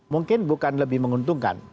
mungkin bukan lebih menguntungkan